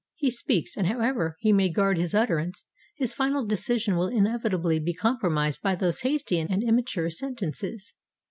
He speaks; and however he may guard his utterance, his final decision will inevitably be compromised by those hasty and immature sentences.